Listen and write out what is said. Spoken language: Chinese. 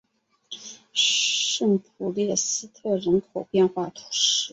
圣普列斯特人口变化图示